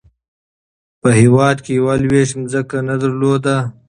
په هیواد کې یې لویشت ځمکه نه درلوده.